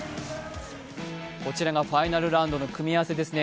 こちらがファイナルラウンドの組み合わせですね。